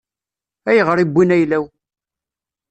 Ayɣer i wwin ayla-w?